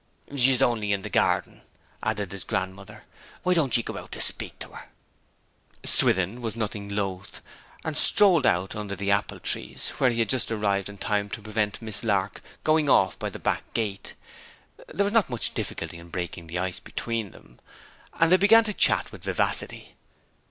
'She is only in the garden,' added his grandmother. 'Why don't ye go out and speak to her?' Swithin was nothing loth, and strolled out under the apple trees, where he arrived just in time to prevent Miss Lark from going off by the back gate. There was not much difficulty in breaking the ice between them, and they began to chat with vivacity.